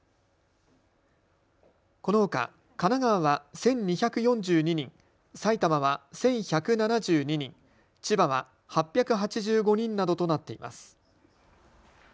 このほか神奈川は１２４２人、埼玉は１１７２人、千葉は８８５人などとなっています。